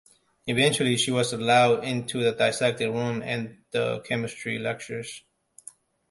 Eventually she was allowed into the dissecting room and the chemistry lectures.